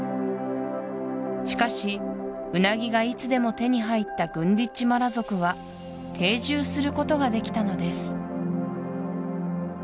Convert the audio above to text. しかしウナギがいつでも手に入ったグンディッジマラ族は定住することができたのです